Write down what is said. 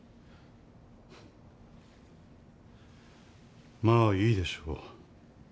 ふっまあいいでしょう。